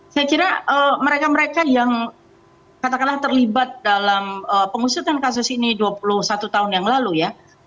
saya kira mereka mereka yang katakanlah terlibat dalam pengusutan kasus ini dua puluh satu tahun yang lalu ya